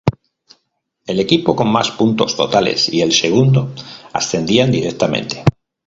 El equipo con más puntos totales y el segundo ascendían directamente.